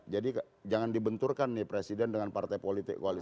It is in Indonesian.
jadi jangan dibenturkan presiden dengan partai politik koalisi